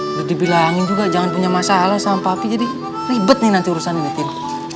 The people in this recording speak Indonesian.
udah dibilangin juga jangan punya masalah sampah api jadi ribet nih nanti urusan ini tim